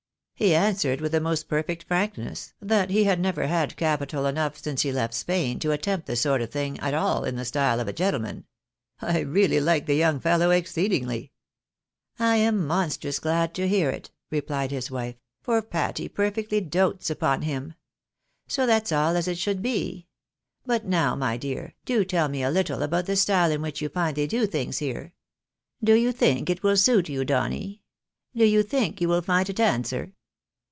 " He answered, with the most perfect frankness, that he had never had capital enough since he left Spain to attempt the sort of thing at all in the style of a gentleman. I really like the young fellow exceedingly." " I am monstrous glad to hear it," rephed his wife, " for Patty perfectly dotes upon him. So that's all as it should be. But now, my dear, do tell me a httle about the style in which you find they do things here ? Do you think it will suit you, Donny ? Do you think you will find it answer